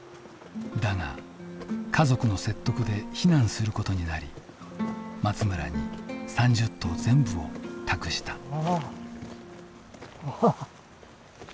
だが家族の説得で避難することになり松村に３０頭全部を託した。